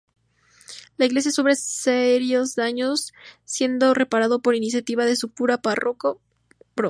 La Iglesia sufre serios daños siendo reparado por iniciativa de su cura párroco Pbro.